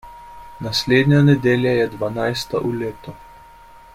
Naslednja nedelja je dvanajsta v letu.